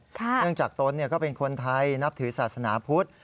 เนื่องจากตนก็เป็นคนไทยนับถือศาสนาพุทธ